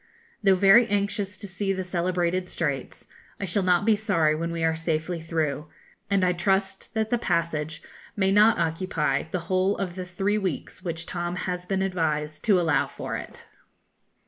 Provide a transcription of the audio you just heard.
Though very anxious to see the celebrated Straits, I shall not be sorry when we are safely through, and I trust that the passage may not occupy the whole of the three weeks which Tom has been advised to allow for it.